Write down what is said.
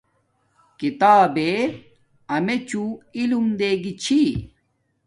کتابے امیچوں علم دے گی چھی